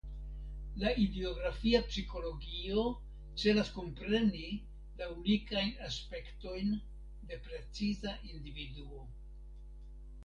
La idiografia psikologio celas kompreni la unikajn aspektojn de preciza individuo.